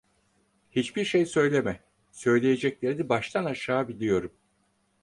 Hiçbir şey söyleme, söyleyeceklerini baştan aşağı biliyorum.